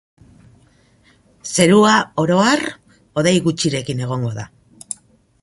Zerua, oro har, hodei gutxirekin egongo da.